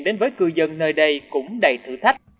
đến với cư dân nơi đây cũng đầy thử thách